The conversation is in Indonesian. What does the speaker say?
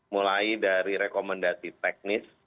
mulai dari rekomendasi teknis